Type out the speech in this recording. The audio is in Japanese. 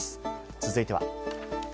続いては。